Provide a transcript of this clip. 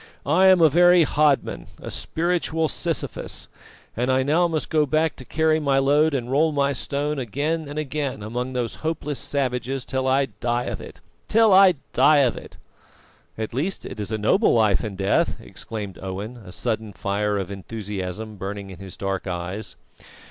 I am a very hodman, a spiritual Sisyphus. And now I must go back to carry my load and roll my stone again and again among those hopeless savages till I die of it till I die of it!" "At least it is a noble life and death!" exclaimed Owen, a sudden fire of enthusiasm burning in his dark eyes.